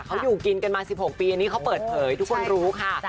เขาอยู่กินกันมา๑๖ปีอันนี้เขาเปิดเผยทุกคนรู้ค่ะ